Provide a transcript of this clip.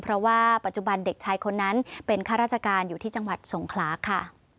เพราะว่าปัจจุบันเด็กชายคนนั้นเป็นข้าราชการอยู่ที่จังหวัดสงขลาค่ะ